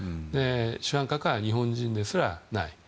主犯格は日本人ですらない。